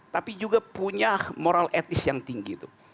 tapi juga punya moral etis yang tinggi itu